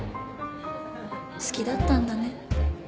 好きだったんだね。